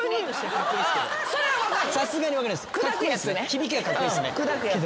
響きがカッコイイっすね。